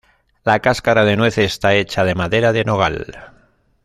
La cáscara de nuez esta hecha de madera de nogal.